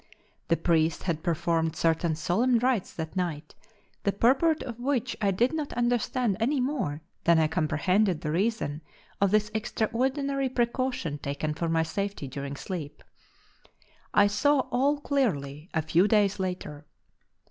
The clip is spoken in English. The priest had performed certain solemn rites that night, the purport of which I did not understand any more than I comprehended the reason of this extraordinary precaution taken for my safety during sleep. I saw all clearly a few days later.